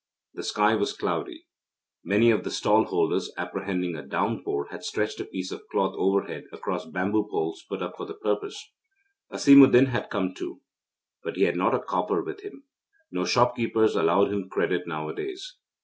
The sky was cloudy. Many of the stall holders, apprehending a downpour, had stretched a piece of cloth overhead, across bamboo poles put up for the purpose. Asimuddin had come too but he had not a copper with him. No shopkeepers allowed him credit nowadays.